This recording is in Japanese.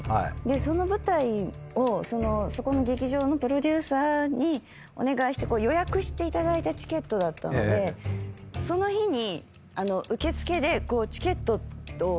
その舞台をそこの劇場のプロデューサーにお願いして予約していただいたチケットだったのでその日に。